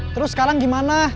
terus sekarang gimana